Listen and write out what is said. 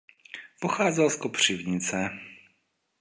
Pocházel z Kopřivnice.